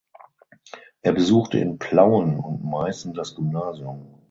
Er besuchte in Plauen und Meißen das Gymnasium.